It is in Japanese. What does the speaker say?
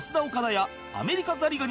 アメリカザリガニに続く